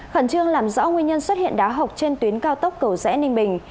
khẩn trương làm rõ nguyên nhân xuất hiện đá học trên tuyến cao tốc cầu rẽ ninh bình